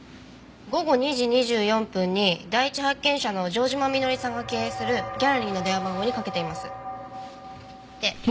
午後２時２４分に第一発見者の城島美野里さんが経営するギャラリーの電話番号にかけています。